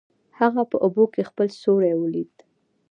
هغه په اوبو کې خپل سیوری ولید.